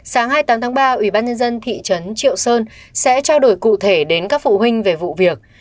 sáng hai mươi tám tháng ba ubnd thị trấn triệu sơn sẽ trao đổi cụ thể đến các phụ huynh về vụ việc